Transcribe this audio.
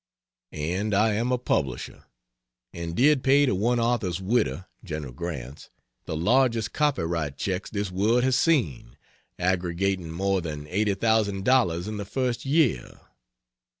And I am a publisher, and did pay to one author's widow (General Grant's) the largest copyright checks this world has seen aggregating more than L80,000 in the first year.